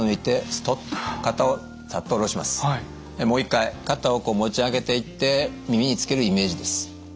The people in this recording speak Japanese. もう一回肩をこう持ち上げていって耳につけるイメージです。